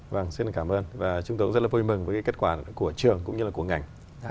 vâng xin cảm ơn và chúng tôi cũng rất là vui mừng với kết quả của trường cũng như là của ngành